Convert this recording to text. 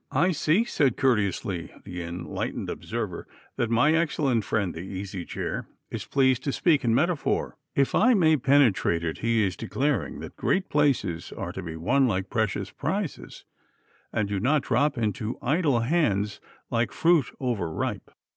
"I see," said, courteously, the Enlightened Observer, "that my excellent friend the Easy Chair is pleased to speak in metaphor. If I may penetrate it, he is declaring that great places are to be won like precious prizes, and do not drop into idle hands like fruit overripe.